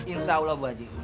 insya allah boji